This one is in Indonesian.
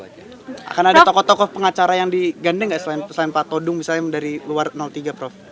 akan ada tokoh tokoh pengacara yang digandeng nggak selain pesan pak todung misalnya dari luar tiga prof